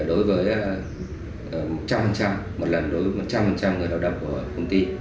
đối với một trăm linh một lần đối với một trăm linh người lao động của công ty